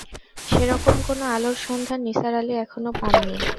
সেরকম কোনো আলোর সন্ধান নিসার আলি এখনো পান নি।